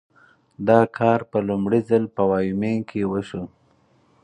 دا کار په لومړي ځل په وایومینګ کې وشو.